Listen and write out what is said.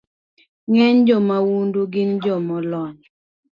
Ng’eny jomaundu gin joma olony